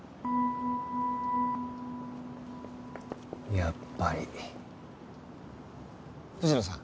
やっぱり藤野さん